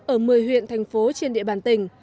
ở một mươi huyện thành phố trên địa bàn tỉnh